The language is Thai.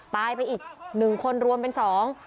ตายไปอีกหนึ่งคนรวมเป็นสอง